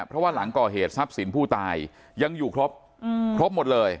เพราะว่าหลังก่อเหตุทรัพย์สินผู้ตายยังอยู่ครบครบหมดเลย